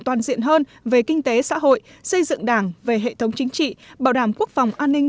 toàn diện hơn về kinh tế xã hội xây dựng đảng về hệ thống chính trị bảo đảm quốc phòng an ninh